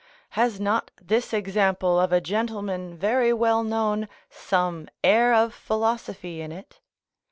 Has not this example of a gentleman very well known, some air of philosophy in it?